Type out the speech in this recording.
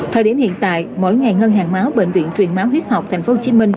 thời điểm hiện tại mỗi ngày ngân hàng máu bệnh viện truyền máu huyết học tp hcm